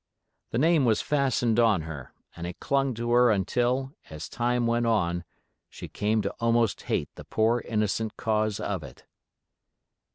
The name was fastened on her, and it clung to her until, as time went on, she came to almost hate the poor innocent cause of it.